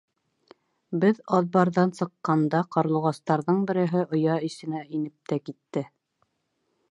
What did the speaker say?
Беҙ аҙбарҙан сыҡҡанда ҡарлуғастарҙың береһе оя эсенә инеп тә китте.